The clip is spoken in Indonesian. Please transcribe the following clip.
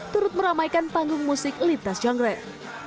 turut meramaikan panggung musik litas canggrek